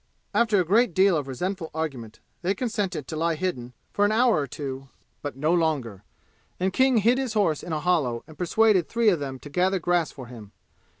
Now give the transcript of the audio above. After a great deal of resentful argument they consented to lie hidden for an hour or two "but no longer," and King hid his horse in a hollow and persuaded three of them to gather grass for him.